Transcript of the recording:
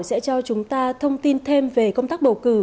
sẽ cho chúng ta thông tin thêm về công tác bầu cử